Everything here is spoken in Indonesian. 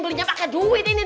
belinya pake duit ini